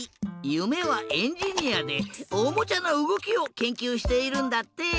ゆめはエンジニアでおもちゃのうごきをけんきゅうしているんだって！